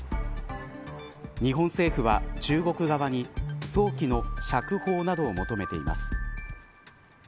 日本政府は中国側に早期の釈放などを求めています。